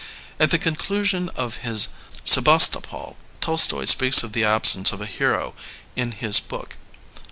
At the conclusion of his Sehastopol, Tolstoy speaks of the absence of a hero in his book.